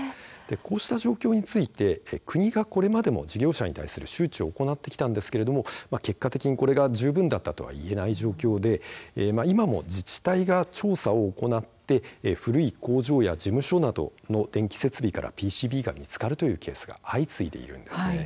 こうした状況について国がこれまでも事業所に対する周知を行ってきたんですけれども結果的にこれが十分だったとは言えない状況で今も自治体が調査を行って古い工場や事務所などの電気設備からＰＣＢが見つかるというようなケースが相次いでいるんです。